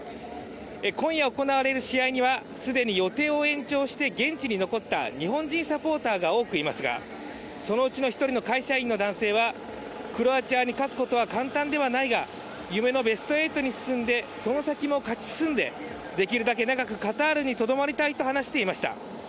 今夜行われる試合には既に予定を延長して現地に残った日本人サポーターが多くいますが、そのうちの１人の会社員の男性は、クロアチアに勝つことは簡単ではないが夢のベスト８に進んでその先も勝ち進んでできるだけ長くカタールにとどまりたいと話していました。